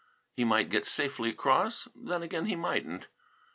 He might get safely across; then again he mightn't.